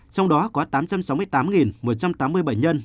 trong đó có tám trăm sáu mươi tám một trăm tám mươi bệnh nhân